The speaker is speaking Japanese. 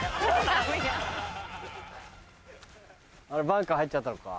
バンカー入っちゃったのか。